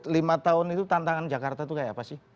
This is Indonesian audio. lima tahun itu tantangan jakarta itu kayak apa sih